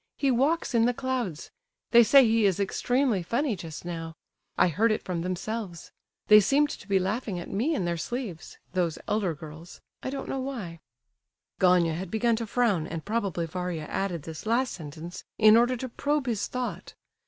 He walks in the clouds; they say he is extremely funny just now; I heard it from themselves. They seemed to be laughing at me in their sleeves—those elder girls—I don't know why." Gania had begun to frown, and probably Varia added this last sentence in order to probe his thought.